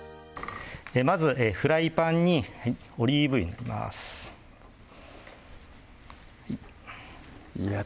まずフライパンにオリーブ油入れますいや